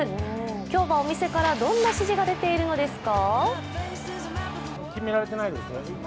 今日はお店からどんな指示が出ているのですか？